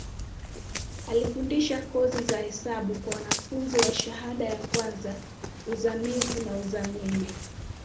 Alifundisha kozi za hesabu kwa wanafunzi wa shahada ka kwanza, uzamivu na uzamili.